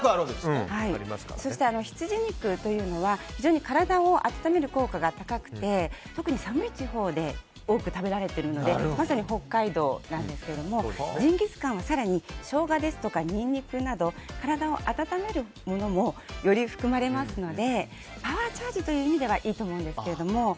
そしてヒツジ肉というのは非常に体を温める効果が高くて特に寒い地方で多く食べられているのでまさに北海道なんですけどジンギスカンは更にショウガですとかニンニクなど体を温めるものもより含まれますのでパワーチャージという意味ではいいと思うんですけど。